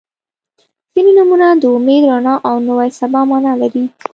• ځینې نومونه د امید، رڼا او نوې سبا معنا لري.